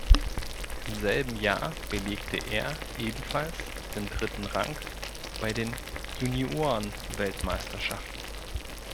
Im selben Jahr belegte er ebenfalls den dritten Rang bei den Juniorenweltmeisterschaften.